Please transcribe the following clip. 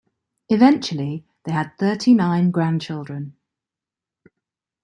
Eventually, they had thirty-nine grandchildren.